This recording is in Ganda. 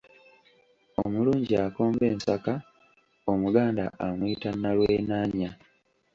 Omulungi akomba ensaka omuganda amuyita Nnalwenaanya.